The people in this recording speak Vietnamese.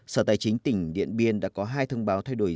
sở tài chính tỉnh điện biên đã có hai thông báo thay đổi